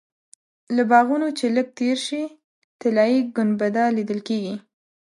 له باغونو چې لږ تېر شې طلایي ګنبده لیدل کېږي.